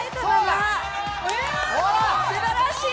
すばらしい！